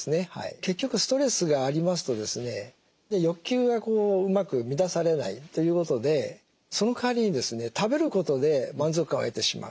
結局ストレスがありますとですね欲求がうまく満たされないということでそのかわりにですね食べることで満足感を得てしまう。